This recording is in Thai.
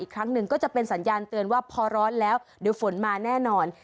ครั้งหนึ่งก็จะเป็นสัญญาณเตือนว่าพอร้อนแล้วเดี๋ยวฝนมาแน่นอน